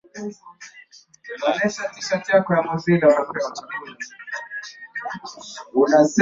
Joseph Kusaga mkurugenzi na mmliki wa chombo cha Clouds